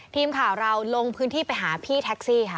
ทีมข่าวเราลงพื้นที่ไปหาพี่แท็กซี่ค่ะ